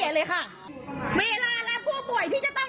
ทั้งที่พี่ซักตะวัดที่บ้าน